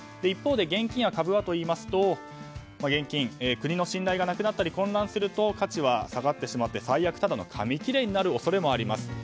一方で現金や株はと言いますと現金は国の信頼がなくなったり混乱すると価値が下がってしまい最悪、ただの紙切れになる恐れもあります。